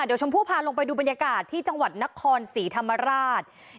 เดี๋ยวชมพู่พาลงไปดูบรรยากาศที่จังหวัดนครศรีธรรมราช